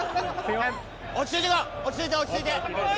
落ち着いていこう落ち着いて。